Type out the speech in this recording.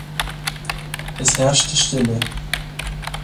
Es herrschte Stille.